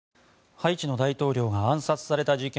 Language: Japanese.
ハイチの大統領が暗殺された事件